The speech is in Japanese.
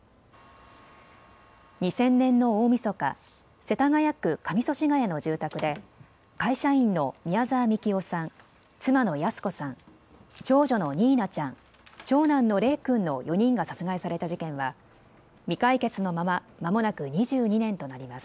２０００年の大みそか、世田谷区上祖師谷の住宅で会社員の宮沢みきおさん、妻の泰子さん、長女のにいなちゃん、長男の礼君の４人が殺害された事件は未解決のまままもなく２２年となります。